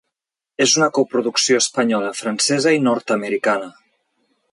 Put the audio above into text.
És una coproducció espanyola, francesa i nord-americana.